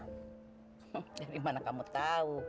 dari mana kamu tahu